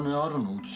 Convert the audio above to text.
うち。